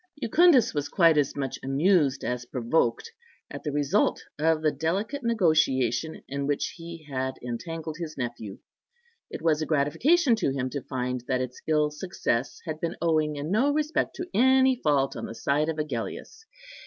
Jucundus was quite as much amused as provoked at the result of the delicate negotiation in which he had entangled his nephew. It was a gratification to him to find that its ill success had been owing in no respect to any fault on the side of Agellius.